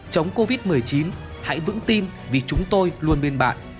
chống covid một mươi chín hãy vững tin vì chúng tôi luôn bên bạn